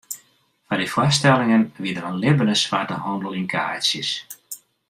Foar dy foarstellingen wie der in libbene swarte handel yn kaartsjes.